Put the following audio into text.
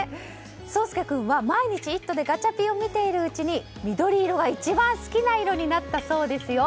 壮亮君は毎日「イット！」でガチャピンを見ているうちに緑色が一番好きな色になったそうですよ。